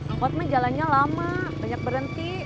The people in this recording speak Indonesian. angkotnya jalannya lama banyak berhenti